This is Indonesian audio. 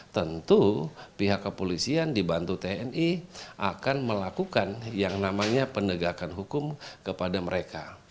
tentu pihak kepolisian dibantu tni akan melakukan yang namanya penegakan hukum kepada mereka